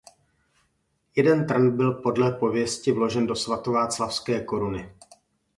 Jeden trn byl podle pověsti vložen do Svatováclavské koruny.